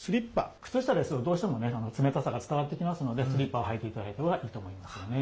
靴下ですと、どうしても冷たさが伝わってきますので、スリッパをはいていただいたほうがいいと思いますよね。